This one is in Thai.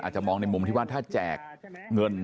จะมองในมุมที่ว่าถ้าแจกเงิน